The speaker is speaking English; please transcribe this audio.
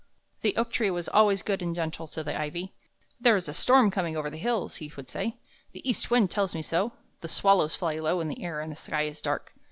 The oak tree was always good and gentle to the ivy. "There is a storm coming over the hills," he would say. "The east wind tells me so; the swallows fly low in the air, and the sky is dark.